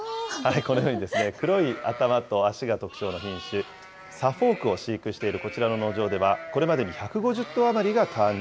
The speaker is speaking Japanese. こんなふうに黒い頭と脚が特徴の品種、サフォークを飼育しているこちらの農場では、これまでに１５０頭余りが誕生。